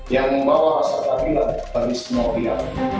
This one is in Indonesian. yang membawa rasa stabilan bagi semua kita